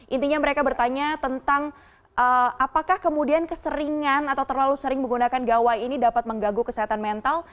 intinya mereka bertanya tentang apakah kemudian keseringan atau terlalu sering menggunakan gawai ini dapat mengganggu kesehatan mental